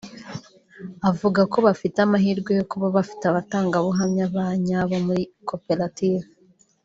avuga ko bafite amahirwe yo kuba bafite abatangabuhamya ba nyabo muri koperative